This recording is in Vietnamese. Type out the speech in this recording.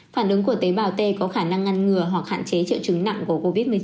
phản ứng của tế bào t có khả năng ngăn ngừa hoặc hạn chế triệu chứng nặng của covid một mươi chín